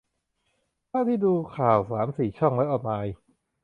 เท่าที่ดูข่าวสามสี่ช่องและออนไลน์